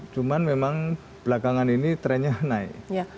cuman memang belakangan ini trennya naik